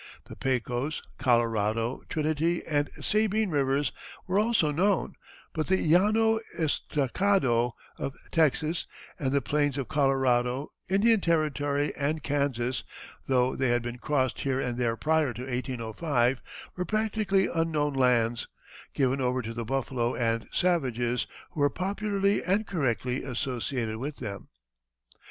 The Pecos, Colorado, Trinity, and Sabine Rivers were also known, but the Llano Estacado, of Texas, and the plains of Colorado, Indian Territory, and Kansas, though they had been crossed here and there prior to 1805, were practically unknown lands, given over to the buffalo and savages, who were popularly and correctly associated with them.